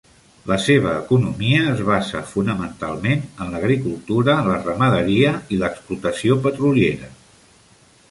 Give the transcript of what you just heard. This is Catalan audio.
La seva economia es basa fonamentalment en l'agricultura, la ramaderia i l'explotació petroliera.